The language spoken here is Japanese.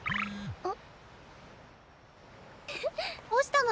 あっ。